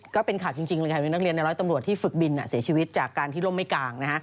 ก็เป็นข่าวจริงเลยค่ะมีนักเรียนในร้อยตำรวจที่ฝึกบินเสียชีวิตจากการที่ล่มไม่กลาง